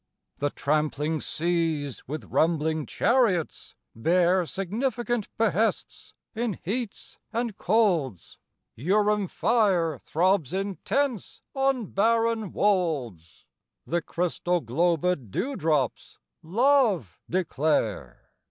The trampling seas with rumbling chariots bear Significant behests in heats and colds, Urim fire throbs intense on barren wolds The crystal globëd dew drops Love declare!